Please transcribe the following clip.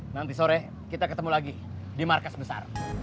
nanti sore kita ketemu lagi di markas besar